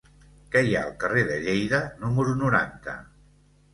Què hi ha al carrer de Lleida número noranta?